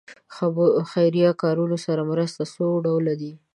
خیریه کارونو سره مرستې څو ډوله دي.